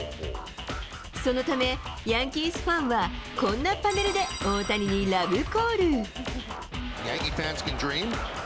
そのため、ヤンキースファンはこんなパネルで大谷にラブコール。